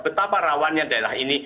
betapa rawannya daerah ini